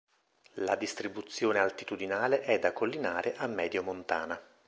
La distribuzione altitudinale è da collinare a medio-montana.